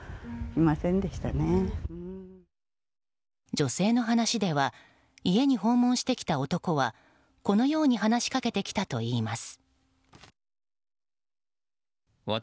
女性の話では家に訪問してきた男はこのように話しかけてきたといいます。